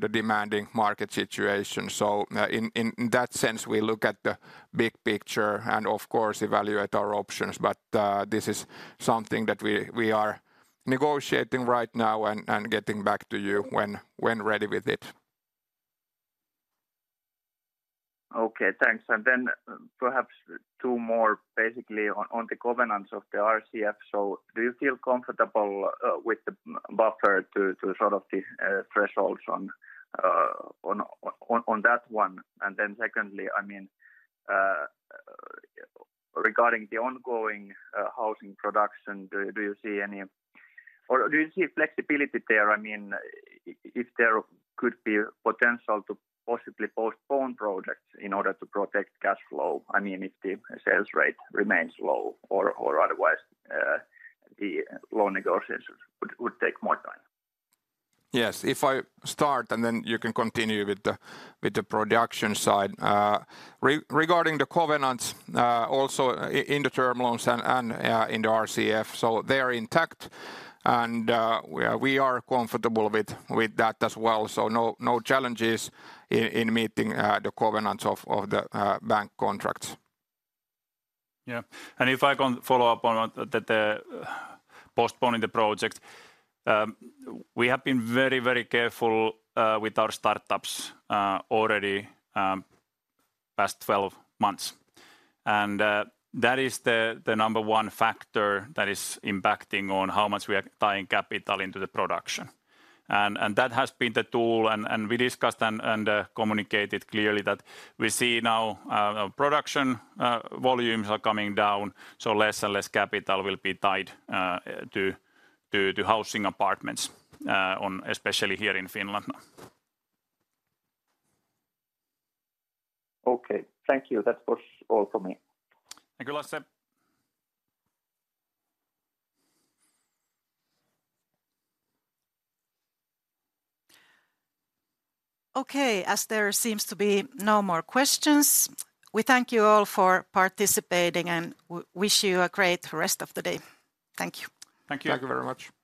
the demanding market situation. So, in that sense, we look at the big picture, and of course, evaluate our options. But, this is something that we are negotiating right now and getting back to you when ready with it. Okay, thanks. And then perhaps two more, basically, on the covenants of the RCF. So do you feel comfortable with the buffer to sort of the thresholds on that one? And then secondly, I mean, regarding the ongoing housing production, do you see any... Or do you see flexibility there? I mean, if there could be potential to possibly postpone projects in order to protect cash flow, I mean, if the sales rate remains low or otherwise, the loan negotiations would take more time. Yes, if I start, and then you can continue with the production side. Regarding the covenants, also in the term loans and in the RCF, so they're intact, and we are comfortable with that as well. So no challenges in meeting the covenants of the bank contracts. Yeah, and if I can follow up on the postponing the project. We have been very, very careful with our startups already past 12 months. And that is the number one factor that is impacting on how much we are tying capital into the production. And that has been the tool and communicated clearly that we see now production volumes are coming down, so less and less capital will be tied to housing apartments especially here in Finland. Okay. Thank you. That was all for me. Thank you, Lasse. Okay, as there seems to be no more questions, we thank you all for participating, and wish you a great rest of the day. Thank you. Thank you. Thank you very much.